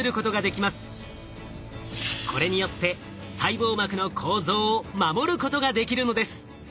これによって細胞膜の構造を守ることができるのです。